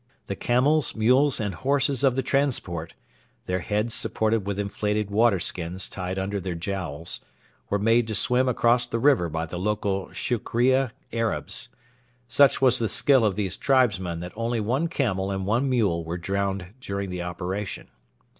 The camels, mules, and horses of the transport their heads supported with inflated water skins tied under their jowls were made to swim across the river by the local Shukrieh Arabs. Such was the skill of these tribesmen that only one camel and one mule were drowned during the operation.